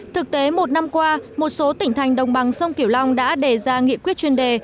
thực tế một năm qua một số tỉnh thành đồng bằng sông kiểu long đã đề ra nghị quyết chuyên đề